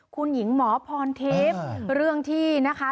คุณหญิงหมอพรทิพย์เรื่องที่นะคะ